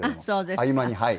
合間にはい。